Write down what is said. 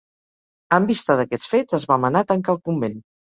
En vista d'aquests fets es va manar tancar el convent.